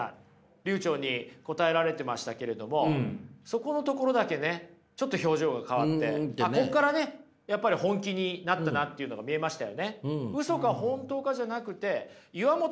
流ちょうに答えられてましたけれどもそこのところだけねちょっと表情が変わってここからねやっぱり本気になったなっていうのが見えましたよね。